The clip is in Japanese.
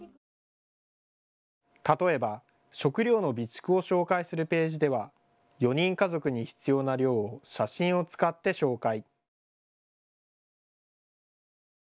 例えば食料の備蓄を紹介するページでは４人家族に必要な量を写真を使って紹介。